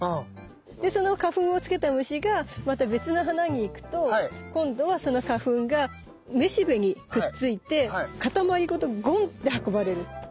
でその花粉をつけた虫がまた別の花に行くと今度はその花粉がめしべにくっついてかたまりごとゴンって運ばれる。